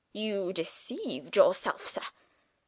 You deceived yourself, sir!